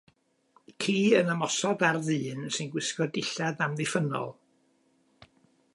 Ci yn ymosod ar ddyn sy'n gwisgo dillad amddiffynnol.